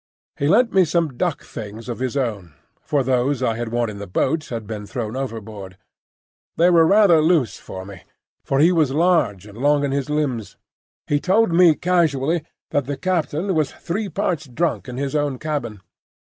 He lent me some duck things of his own, for those I had worn in the boat had been thrown overboard. They were rather loose for me, for he was large and long in his limbs. He told me casually that the captain was three parts drunk in his own cabin.